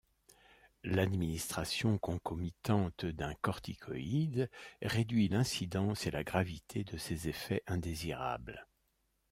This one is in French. L'administration concomitante d'un corticoïde réduit l'incidence et la gravité de ces effets indésirables.